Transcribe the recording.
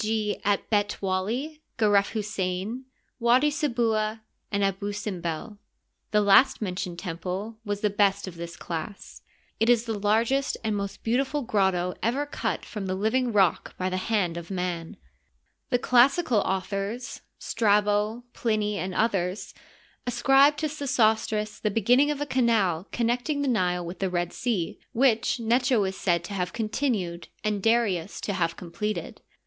g., at B^t Wally, Geref Hussein, Widi Se bua. and Abusimbel. The last mentioned temple was the best'of this class. It is the largest and most beau Oigitized byCjOOQlC 94 HISTORY OF EGYPT, tiful grotto ever cut from the living rock by the hand of man. The classical authors, Strabo, Plinv, and others, ascribe to Sesostris the beginning of a canal connecting the Nile with the Red Sea, which Necho'is said to have continued and Darius to have completed.